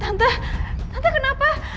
tante tante kenapa